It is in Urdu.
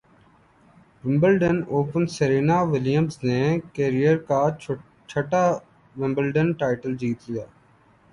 ومبلڈن اوپن سرینا ولیمزنےکیرئیر کا چھٹا ومبلڈن ٹائٹل جیت لیا